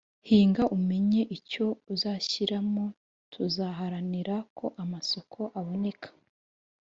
hinga umenye icyo uzashyiramo (…) tuzaharanira ko amasoko aboneka